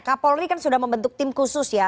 kapolri kan sudah membentuk tim khusus ya